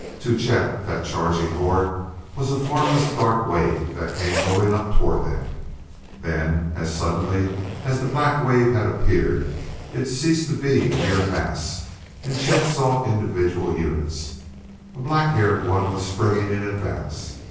To Chet, that charging horde was a formless dark wave that came rolling up toward them; then, as suddenly as the black wave had appeared, it ceased to be a mere mass and Chet saw individual units. A black haired one was springing in advance.